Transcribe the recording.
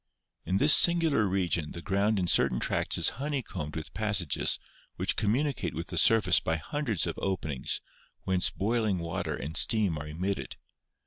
In this sin gular region the ground in certain tracts is honeycombed with passages which communicate with the surface by hundreds of openings, whence boiling water and steam are emitted.